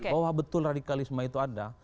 bahwa betul radikalisme itu ada